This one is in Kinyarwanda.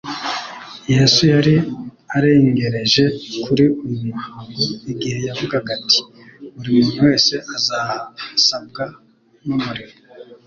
Yesu yari arengereje kuri uyu muhango igihe yavugaga ati: « Buri muntu wese azasabwa n'umuriro.